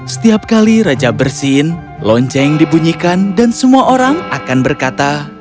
setiap kali raja bersin lonceng dibunyikan dan semua orang akan berkata